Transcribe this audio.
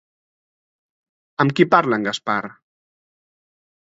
Amb qui parla en Gaspar?